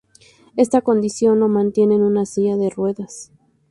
Esta condición lo mantiene en una silla de ruedas.